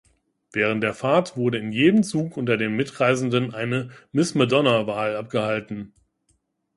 Während der Fahrt wurde in jedem Zug unter den Mitreisenden eine „Miss Madonna“-Wahl abgehalten.